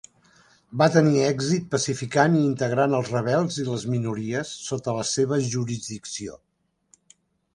Va tenir èxit pacificant i integrant els rebels i les minories sota la seva jurisdicció.